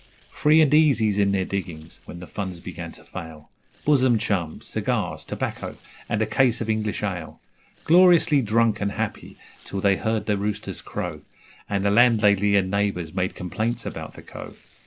Free and easies in their 'diggings', when the funds began to fail, Bosom chums, cigars, tobacco, and a case of English ale Gloriously drunk and happy, till they heard the roosters crow And the landlady and neighbours made complaints about the Co.